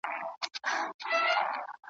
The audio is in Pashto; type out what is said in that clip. په مناسبت جشن جوړ کړي `